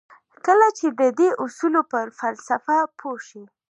کله چې د دې اصولو پر فلسفه پوه شئ.